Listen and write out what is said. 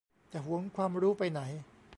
จะหวงความรู้ไปไหน ?